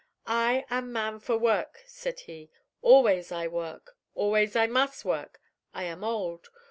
"I am man for work," said he. "Always I work; always I mus' work. I am old.